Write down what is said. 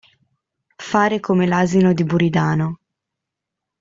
Fare come l'asino di Buridano.